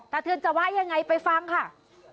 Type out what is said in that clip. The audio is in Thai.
เทือนจะว่ายังไงไปฟังค่ะ